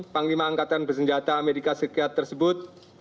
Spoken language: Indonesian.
panglima angkatan bersenjata amerika serikat tersebut